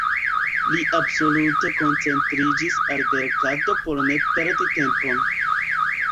Li absolute koncentriĝis al verkado por ne perdi tempon.